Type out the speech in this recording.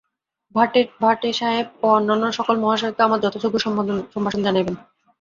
ভাটেসাহেব ও অন্যান্য সকল মহাশয়কে আমার যথাযোগ্য সম্ভাষণ জানাইবেন।